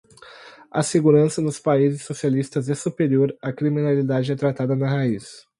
A segurança nos países socialistas é superior, a criminalidade é tratada na raiz